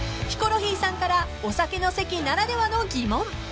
［ヒコロヒーさんからお酒の席ならではの疑問］